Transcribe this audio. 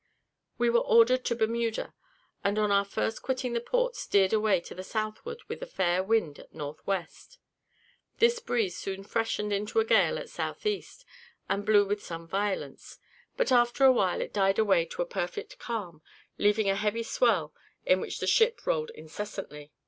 We were ordered to Bermuda, and on our first quitting the port steered away to the southward with a fair wind at north west. This breeze soon freshened into a gale at south east, and blew with some violence, but after a while it died away to a perfect calm, leaving a heavy swell, in which the ship rolled incessantly.